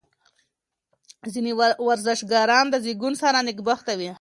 ځینې ورزشکاران د زېږون سره نېکبخته وي.